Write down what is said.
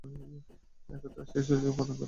একদা তাকে সেই সুযোগই প্রদান করা হল।